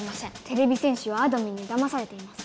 てれび戦士はあどミンにだまされています。